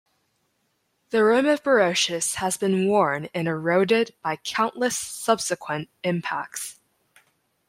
The rim of Barocius has been worn and eroded by countless subsequent impacts.